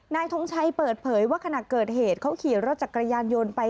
ทงชัยเปิดเผยว่าขณะเกิดเหตุเขาขี่รถจักรยานยนต์ไป